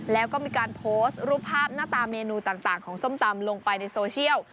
แล้วก็มีการโพสต์รูปภาพหน้าตาเมนูต่างของส้มตำลงไปในโซเชียล